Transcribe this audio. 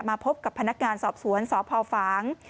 มาพบกับพนักงานสอบสวน